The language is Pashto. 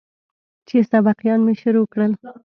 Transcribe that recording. چې سبقان مې شروع کړل.